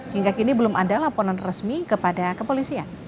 hingga kini belum ada laporan resmi kepada kepolisian